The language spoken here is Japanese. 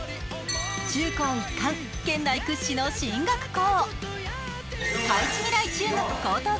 中高一貫、県内屈指の進学校。